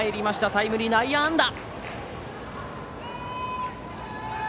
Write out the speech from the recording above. タイムリー内野安打。